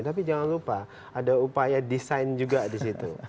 tapi jangan lupa ada upaya desain juga di situ